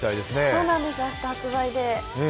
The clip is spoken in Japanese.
そうなんです、明日発売で。